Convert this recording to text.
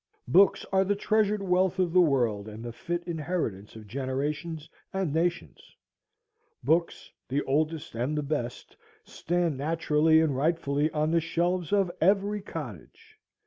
Books are the treasured wealth of the world and the fit inheritance of generations and nations. Books, the oldest and the best, stand naturally and rightfully on the shelves of every cottage.